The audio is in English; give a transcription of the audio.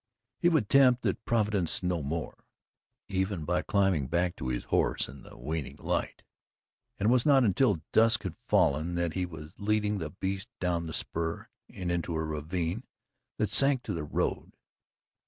He would tempt that Providence no more, even by climbing back to his horse in the waning light, and it was not until dusk had fallen that he was leading the beast down the spur and into a ravine that sank to the road.